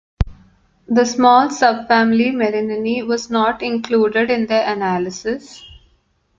The small subfamily Mellininae was not included in their analysis.